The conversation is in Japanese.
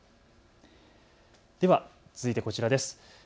では続いてこちらです。